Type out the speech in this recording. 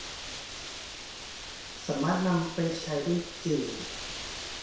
สามารถนำไปใช้ได้จริง